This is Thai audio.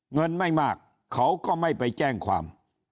เงินไม่มากเขาก็ไม่ไปแจ้งความ